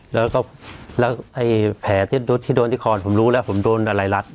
แล้วก็แล้วไอ้แผลที่โดนที่คอนผมรู้แล้วผมโดนอะไรรัด